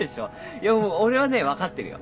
いや俺はね分かってるよ。